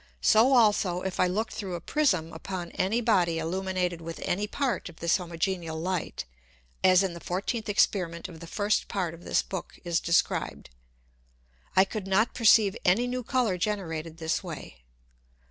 So also, if I looked through a Prism upon any Body illuminated with any part of this homogeneal Light, as in the fourteenth Experiment of the first Part of this Book is described; I could not perceive any new Colour generated this way.